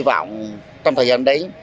hi vọng trong thời gian đấy